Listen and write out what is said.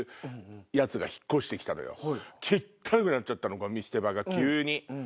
汚くなっちゃったのゴミ捨て場が急に。